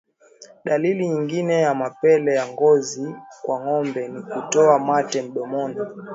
Dalili nyingine ya mapele ya ngozi kwa ngombe ni kutoa mate mdomoni